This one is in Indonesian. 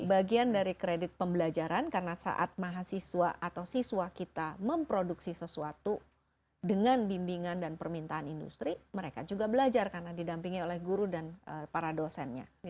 bagian dari kredit pembelajaran karena saat mahasiswa atau siswa kita memproduksi sesuatu dengan bimbingan dan permintaan industri mereka juga belajar karena didampingi oleh guru dan para dosennya